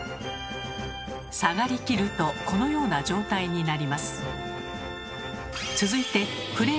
下がりきるとこのような状態になります。